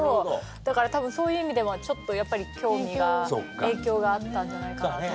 だからたぶんそういう意味ではちょっとやっぱり興味が影響があったんじゃないかなとは思う。